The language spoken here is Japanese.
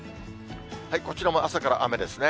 こちらも朝から雨ですね。